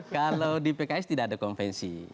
kalau di pks tidak ada konvensi